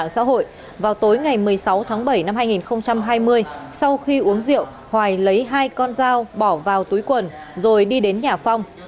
sau khi uống rượu hoài lấy hai con dao bỏ vào túi quần rồi đi đến nhà phong